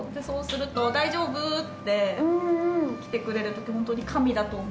そうすると大丈夫？って来てくれるとホントに。